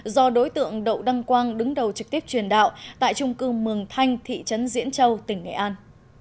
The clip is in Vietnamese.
do đối tượng đậu đăng quang đứng đầu trực tiếp truyền đạo tại trung cư mường thanh thị trấn diễn châu tỉnh nghệ an